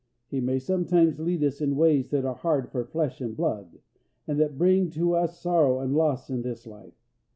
He may sometimes lead us in ways that are hard for flesh and blood, and that bring to us sorrow and loss in this life.